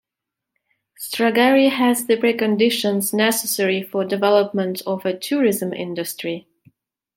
Stragari has the preconditions necessary for development of a tourism industry.